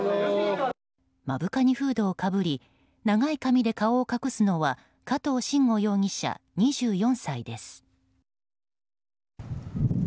目深にフードをかぶり長い髪で顔を隠すのは加藤臣吾容疑者、２４歳です。